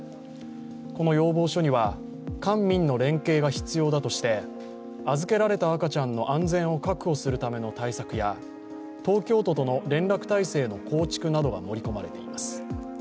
この要望書には官民の連携が必要だとして、預けられた赤ちゃんの安全を確保するための対策や東京都との連絡体制の構築などが盛り込まれています。